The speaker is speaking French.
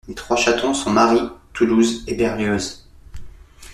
Les trois chatons sont Marie, Toulouse et Berlioz.